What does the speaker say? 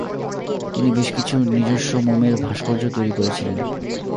তিনি বেশ কিছু নিজস্ব মোমের ভাস্কর্য তৈরী করেছিলেন।